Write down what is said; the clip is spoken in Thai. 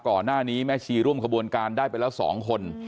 ก่อนหน้านี้แม่ชีร่วมขบวนการได้ไปแล้ว๒คน